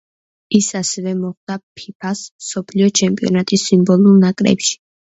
ის ასევე მოხვდა ფიფა-ს მსოფლიო ჩემპიონატის სიმბოლურ ნაკრებში.